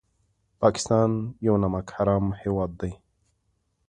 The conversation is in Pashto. پاکستان یو نمک حرام هېواد دی